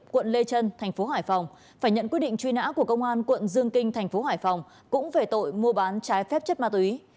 quận lê trân tp hải phòng phải nhận quy định truy nã của công an quận dương kinh tp hải phòng cũng về tội mua bán trái phép chất ma túy